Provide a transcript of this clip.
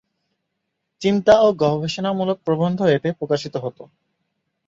চিন্তা ও গবেষণামূলক প্রবন্ধ এতে প্রকাশিত হত।